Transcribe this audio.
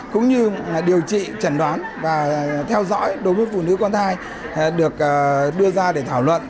cũng như điều trị trần đoán và theo dõi đối với phụ nữ con thai được đưa ra để thảo luận